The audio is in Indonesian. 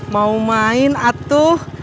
mau main atuh